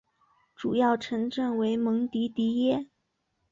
主要城镇为蒙迪迪耶。